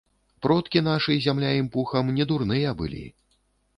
Продкі нашы, зямля ім пухам, не дурныя былі.